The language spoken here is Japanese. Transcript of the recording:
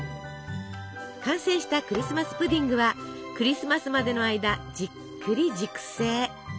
完成したクリスマス・プディングはクリスマスまでの間じっくり熟成。